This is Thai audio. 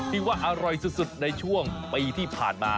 ที่ว่าอร่อยสุดในช่วงปีที่ผ่านมา